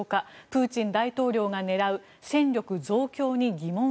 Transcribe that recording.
プーチン大統領が狙う戦力増強に疑問符。